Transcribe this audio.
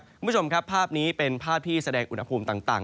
คุณผู้ชมครับภาพนี้เป็นภาพที่แสดงอุณหภูมิต่าง